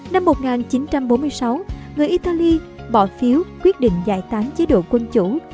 năm một nghìn chín trăm bốn mươi sáu người italy bỏ phiếu quyết định giải tán chế độ quân chủ